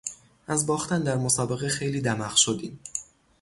از باختن در مسابقه خیلی دمق شدیم.